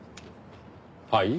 はい？